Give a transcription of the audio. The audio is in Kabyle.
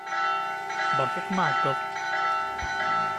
Beṛka-kem aɛeyyeḍ.